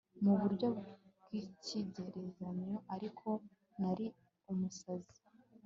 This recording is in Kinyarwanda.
Mu buryo bwikigereranyo Ariko nari umusazi